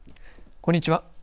こんにちは。